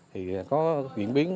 thì có diễn biến